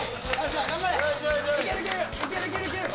いけるいける！